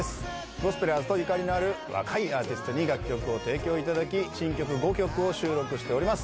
ゴスペラーズとゆかりのある若いアーティストに楽曲を提供いただき新曲５曲を収録しております